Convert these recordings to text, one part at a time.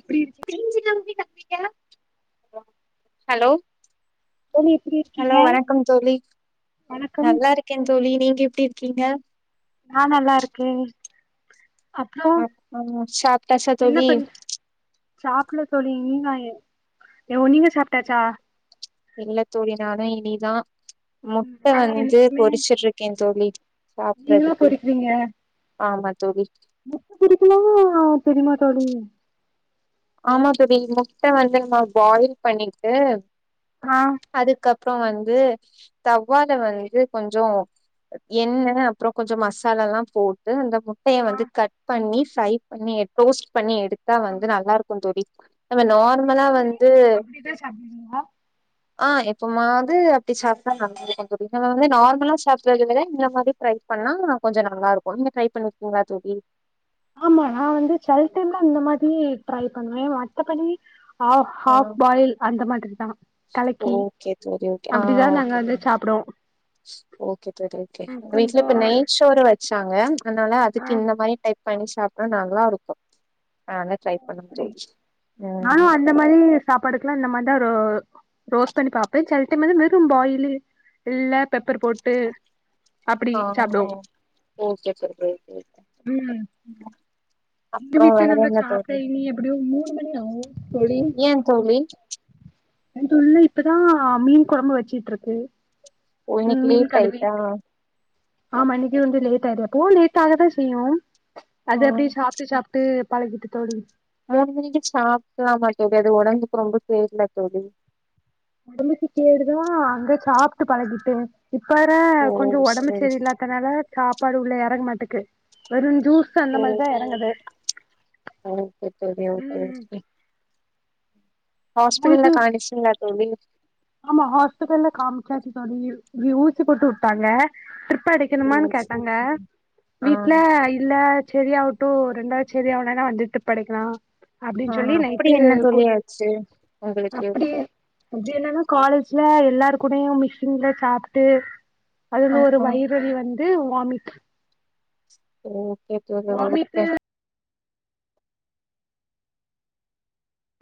எப்டி இருக்கீங்க ஹலோ தோழி எப்டி இருக்கீங்க ஹலோ வணக்கம் தோழி வணக்கம் நல்லா இருக் கே தோழி நீங்க எப்டி இருக்கீங்க நா நல்லாருக்கே ஆ ஆ சாப்டாச்சா தோழி சாப்புட்ல தோழி நீங்க உ நீங்க சாப்ட்டாச்சா இல்ல தோழி நானு இனிதா முட்ட நாங்க வந்து என்னைக்குமே பொறிச்சுட்ருக்கே தோழி நீங்களா சாப்புறதுக்கு பொறிக்கிறீங்க ஆமா தோழி முட்ட பொரிக்கலாமா தெரிமா தோழி ஆமா தோழி முட்ட வந்து நம்ம பாயில் பண்ணிட்டு ஆஹ் அதுக்கப்றோ வந்து தவால வந்து கொஞ்சோ எண்ண அப்ரோ கொஞ்சோ மசாலலா போட்டு அந்த முட்டைய ஆ வந்து கட் பண்ணி ஃப்ரை பண்ணி டோஸ்ட் பண்ணி எடுத்தா ஆ வந்து நல்லா இருக்கோ தோழி நம்ம நார்மலா எப்பவுமே வந்து அப்டிதா சாப்டுவீங்களா அ எப்போமாது அப்டி சாப்டா நல்லா இருக்கோ தோழி நம்ம வந்து நார்மலா சாப்ட்ரத விட இந்த மாரி ஃப்ரை பண்ணா கொஞ்சோ நல்லா இருக்கோ நீங்க ட்ரை பண்ணிருக்கீங்களா தோழி ஆமா நா வந்து செல டைம்ல அந்த மாதிரி ட்ரை பண்ணுவே மத்தபடி ஆ ஹாஃப் பாயில் அந்த மாதிரி தா கலக்கி ஓகே தோழி ஓகே ஆ அப்டிதா நாங்க ஓகே வந்து தோழி சாப்டுவோ ஓகே [unintelligible] ஓகே ம் வீட்ல கொஞ்சோ இப்ப நெய் சோறு வச்சாங்க அதனால அதுக்கு ஆ இந்த மாரி டைப் பண்ணி சாப்டா நல்லா இருக்கு அதனால டிரை பண்ண தோழுச்சு ம் [unintelligible] இந்த மாரி சாப்பாடுக்கெலா இந்த மாரிதா ஒரு ரோஸ் பண்ணி பாப்பே செல டைம் வெறு பாயில் இல்ல பெப்பர் போட் ட்டு அப்டி ஆ சாப்டுவோ ஓகே தோழி ஓகே ம் எங்க அப்றோ வீட்டு்ல வேற நாங்க என்ன தோழி சாப்ட இனி எப்டியு மூணு மணி ஆகு தோழி ஏ தோழி அ உள்ள இப்பதா மீன் கொழம்பு வச்சுட்டு இருக்கு ஓ இன்னக்கி லேட் ஆயிட்டா ஆமா இன்னைக்கு வந்து லேட்டாய்டு எப்போ லேட் ஆக தா செய்யோ ஆ அது அப்டியே சாப்ட்டு சாப் அப்டியே பழகிட்டு தோழி மூணு மணிக்கி சாப்ட்டோமாட்டேது அது ஒடம்புக்கு ரொம்ப கேடுல தோழி ஒடம்புக்கு கேடு தா அங்க சாப்ட்டு பழகிட்டே இப் வர ஓ கொஞ்சோ ஒடம்பு சரி சரில்லா அதனால சாப்பாடு உள்ள எறங்க மாட்டுக்கு வெறு ஜூஸ் க்கா அந்த சரி மாரிதா எறங்குது ஓகே தோழி ஓகே ம் ஹஸ்பிடல்ல உங்களுக்கு கானிச்சீங்ளா தோழி ஆமா ஹாஸ்பிடல்ல காம்ச்சாச்சு தோழி இங்கி ஊசி போட்டு வுட்டாங்க ஓ திரிப்படிக்கணுமான்னு சரி கேட்டாங்க சரி ஆ வீட்ல இல்ல சரியாவு ட்டோ ரெண்டாவது செரி ஆவளனா வந்துட்டு ட்ரிப் படிக்கலா அப்டின் ஆ சொல்லி அப்படி நைட்டு என்ன கூ தோழி ஆச்சு உங்களுக்கு அப்டியே அப்டில்லன்னா காலேஜ்ல எல்லாரு கூடயு மிஷின்ல சாப்ட்டு அது ஆ வந்து ஒரு ஆ வைப் ற்று வலி வந்து வாமிட் ஓகே [unintelligible] வாமிட்டு கே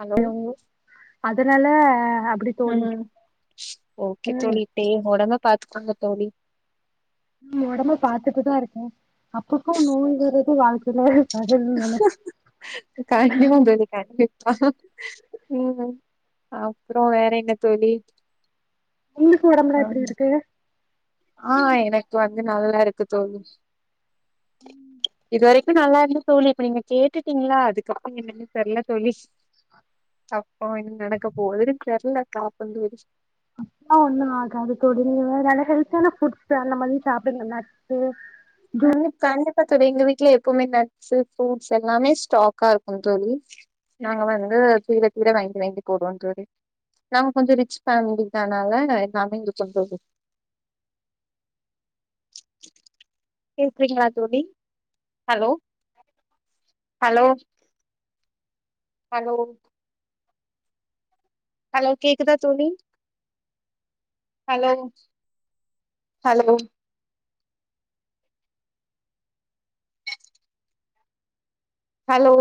ஹலோ என்னவோ அதனால அப்டி தோழி ம் ஓகே ம் தோழி ட்டே ஒடம்ப பாத்துக்கோங்க தோழி ஒடம்ப பாத்துட்டுதா இருக்கே அப்ப அப்ப நோய் வருது வாரத்துல கண்டிப்பா தோழி கண்டிப்பா ம் அப்றோ வேற என்ன தோழி உங்குளுக்கு ஒடம்புலா ஆம். எப்டி இருக்கு ஆ எனக்கு வந்து நல்லா இருக்கு தோழி ம் இது வரைக்கு நல்லா இருந்த தோழி இப்ப நீங்க கேட்டுட்டீங்ளா அதுக் சாங் என்னன்னு தெர்ல தோழிஸ் அப்போ இனு நடக்க போறதுனு தெர்ல காப்பந்து வெடிச் அப்பா ஒண்ணும் ஆகாது தோழி நீங்க வேற நல்ல ஹெல்த்தியான ஃபுட்ஸ் அந்த மாரி சாப்டுங்க நட்ஸ் ஆ கண்டிப்பா தோழி எங்க வீட்டுல எப்பவுமே நட்ஸ் ஃப்ரூட்ஸ் எல்லாமே ஸ்டாக்கா இருக்குங் தோழி நாங்க வந்து தீர தீர வாங்கிட்டு வாங்கிட் போய்டுவோ தோழி நாங்க கொஞ்சோ ரிச் ஃபேமிலி தானால [unintelligible] கிச்சன் போய்டு பேசுறீங்களா தோழி ஹலோ ஹலோ ஹலோ ஹலோ கேக்குதா தோழி ஹலோ ஹலோ ஹலோ